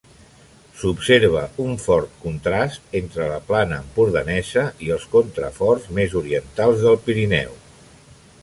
S'observa un fort contrast entre la plana empordanesa i els contraforts més orientals del Pirineu.